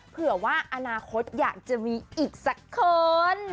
เผื่อว่าอนาคตอยากจะมีอีกสักคน